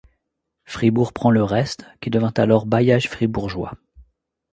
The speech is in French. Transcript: Fribourg prend le reste qui devint alors bailliage fribourgeois.